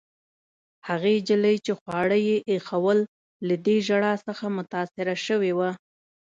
هغې نجلۍ، چي خواړه يې ایښوول، له دې ژړا څخه متاثره شوې وه.